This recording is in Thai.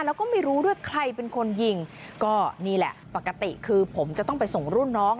แล้วก็ไม่รู้ด้วยใครเป็นคนยิงก็นี่แหละปกติคือผมจะต้องไปส่งรุ่นน้อง